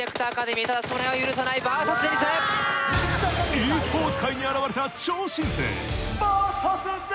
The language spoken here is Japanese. ｅスポーツ界に現れた超新星。